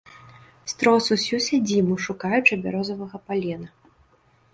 Строс ўсю сядзібу, шукаючы бярозавага палена.